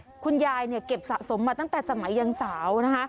ต้องบอกว่าคนยายเนี่ยเก็บสะสมมาตั้งแต่สมัยยังสาวนะฮะ